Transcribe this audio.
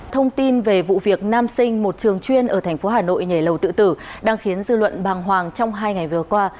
thông tin về vụ việc nam sinh một trường chuyên ở thành phố hà nội nhảy lầu tự tử đang khiến dư luận bàng hoàng trong hai ngày vừa qua